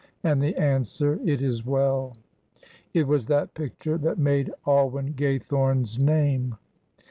and the answer, "It is well." It was that picture that made Alwyn Gaythorne's name.